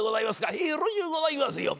ええよろしゅうございますよ。